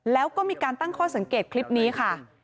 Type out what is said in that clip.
แล้วก็มีการตั้งข้อสังเกตคลิปนี้ค่ะ